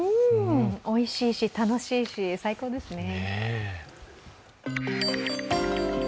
おいしいし、楽しいし最高ですね。